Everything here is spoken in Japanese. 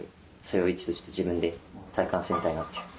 それを医師として自分で体感してみたいなっていう。